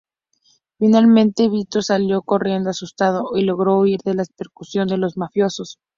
Finalmente, Vito salió corriendo asustado y logró huir de la persecución de los mafiosos.